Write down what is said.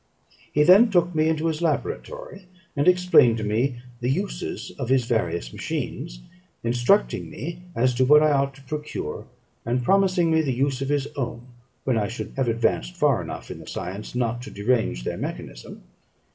He then took me into his laboratory, and explained to me the uses of his various machines; instructing me as to what I ought to procure, and promising me the use of his own when I should have advanced far enough in the science not to derange their mechanism.